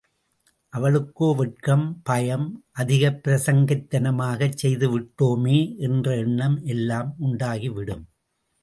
அவளுக்கோ வெட்கம், பயம், அதிகப் பிரசங்கித்தனமாகச் செய்து விட்டோமே என்ற எண்ணம் எல்லாம் உண்டாகிவிடும்.